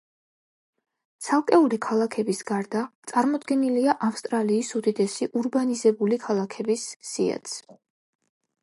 ცალკეული ქალაქების გარდა, წარმოდგენილია ავსტრალიის უდიდესი ურბანიზებული ქალაქების სიაც.